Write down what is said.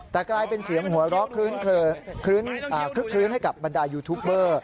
แต่กลายเป็นเสียงหัวเราะคลึกคลื้นให้กับบรรดายูทูปเบอร์